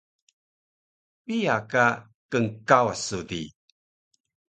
Piya ka knkawas su di?